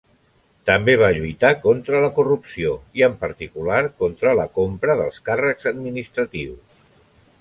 També va lluitar contra la corrupció i en particular contra la compra dels càrrecs administratius.